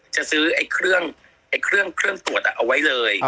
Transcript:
จะซื้อไอ้เครื่องอันเครื่องตรวจอ่ะเอาไว้เลย